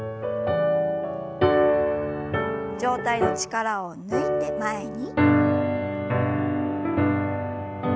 上体の力を抜いて前に。